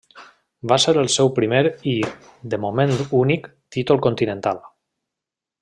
Va ser el seu primer i, de moment únic, títol continental.